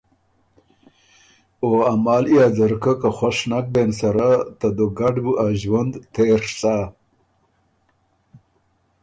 او ا مالی ا ځرکۀ که خؤش نک بېن سره، ته دوګډ بُو ا ݫوُند تېڒ سۀ۔